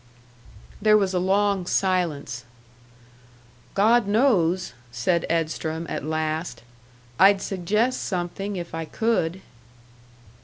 There was a long silence. "God knows," said Edstrom, at last. "I'd suggest something if I could."